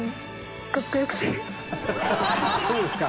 そうですか。